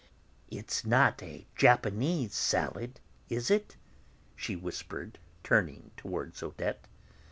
"It's not a Japanese salad, is it?" she whispered, turning towards Odette.